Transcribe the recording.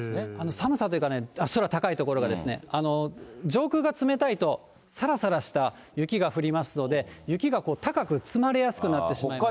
寒さというかね、空高い所が、上空が冷たいとさらさらした雪が降りますので、雪が高く積まれやすくなってしまいます。